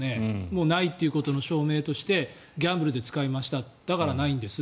もうないということの証明としてギャンブルで使いましただからないんです